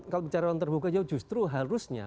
kalau bicara ruang terbuka hijau justru harusnya